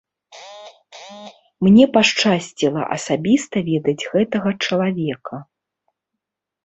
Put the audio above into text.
Мне пашчасціла асабіста ведаць гэтага чалавека.